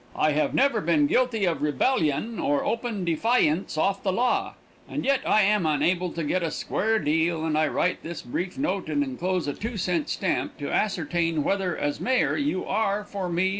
I have never been guilty of rebellyun or open difyance off the law, and yet I am unable to get a square deal and I write this brief note and enclose a two cent stamp, to ascertain whether, as mayor, you are for me or agin me.